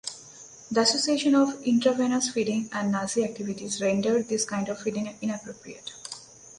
The association of intravenous feeding and Nazi activities rendered this kind of feeding inappropriate.